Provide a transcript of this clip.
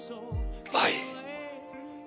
はい。